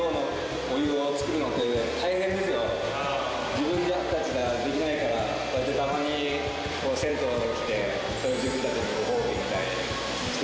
自分たちができないからこうやってたまに銭湯に来てそれが自分たちのごほうびみたいにしてます。